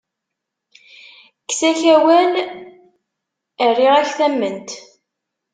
Kkes-ak awal, rriɣ-ak tamment!